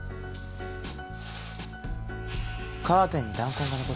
カーテンに弾痕が残ってる。